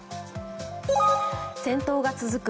戦闘が続く